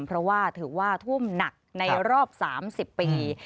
เพราะว่าถือว่าท่วมหนักในรอบ๓๐ปี